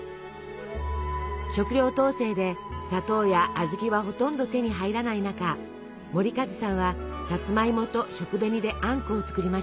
食糧統制で砂糖や小豆はほとんど手に入らない中守一さんはサツマイモと食紅であんこを作りました。